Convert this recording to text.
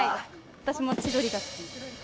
私も千鳥が好き。